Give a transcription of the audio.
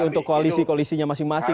untuk koalisi koalisinya masing masing